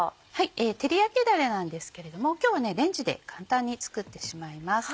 照り焼きだれなんですけれども今日はレンジで簡単に作ってしまいます。